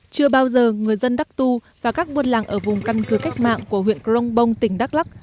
chưa bao giờ người dân đắk tu và các buôn làng ở vùng căn cứ cách mạng của huyện grongbong tỉnh đắk lắc